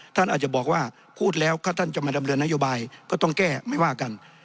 ท่านอาจจะบอกว่าพูดแล้วถ้าท่านจะมาดำเนินนโยบายก็ต้องแก้ไม่ว่ากัน